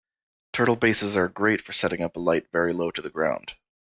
Turtle bases are great for setting up a light very low to the ground.